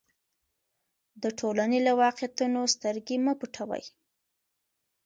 د ټولنې له واقعیتونو سترګې مه پټوئ.